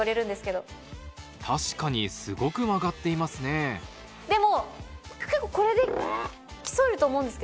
確かにすごく曲がっていますねでも。